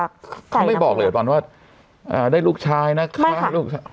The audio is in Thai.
เขาไม่บอกเลยตอนนั้นว่าได้ลูกชายนะค่ะไม่ค่ะ